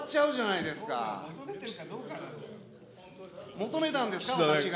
求めたんですか、私が。